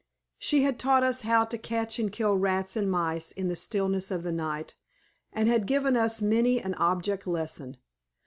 She had taught us how to catch and kill rats and mice in the stillness of the night, and had given us many an object lesson.